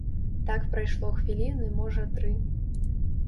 Так прайшло хвіліны можа тры.